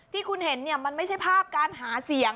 ที่คุณเห็นเนี่ยมันไม่ใช่ภาพการหาเสียง